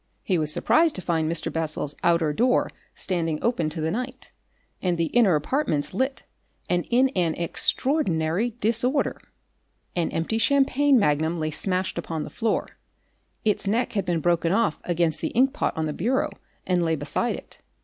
He was surprised to find Mr. Bessel's outer door standing open to the night, and the inner apartments lit and in an extraordinary disorder. An empty champagne magnum lay smashed upon the floor; its neck had been broken off against the inkpot on the bureau and lay beside it.